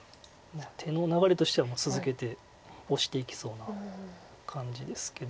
手の流れとしては続けてオシていきそうな感じですけど。